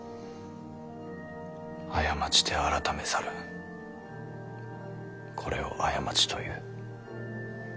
「過ちて改めざるこれを過ちという」。